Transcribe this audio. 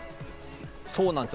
そうなんですよ。